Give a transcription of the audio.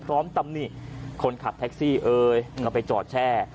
พร้อมตำนี้คนขับแท็กซี่เอ๊ยเอาไปจอดแช่